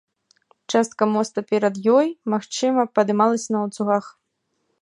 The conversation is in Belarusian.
Частка моста перад ёй, магчыма, падымалася на ланцугах.